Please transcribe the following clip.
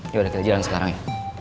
yaudah kita jalan sekarang ya